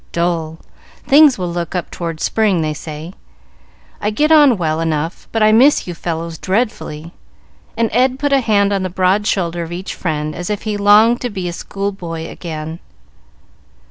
"Dull; things will look up toward spring, they say. I get on well enough, but I miss you fellows dreadfully;" and Ed put a hand on the broad shoulder of each friend, as if he longed to be a school boy again.